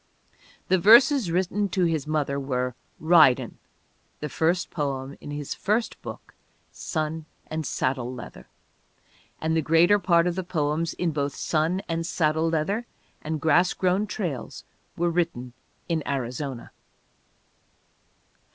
The verses written to his mother were Ridin', the first poem in his first book, Sun and Saddle Leather, and the greater part of the poems in both Sun and Saddle Leather and Grass Grown Trails were written in Arizona.